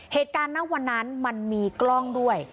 เหตุการณ์ณวันนั้นมันมีกล้องด้วย